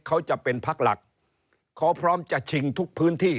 เขาจะเป็นพักหลักเขาพร้อมจะชิงทุกพื้นที่